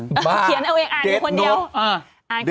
แกเขียนด่าเขาในสมุติโน้ตส่วนตัวแล้วก็อ่านทุกวัน